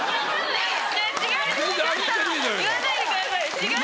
違う言わないでください違う。